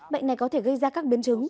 bệnh này có thể gây ra các biến chứng